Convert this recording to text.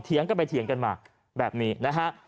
กันไปเถียงกันมาแบบนี้นะฮะ